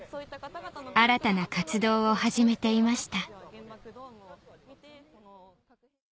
新たな活動を始めていました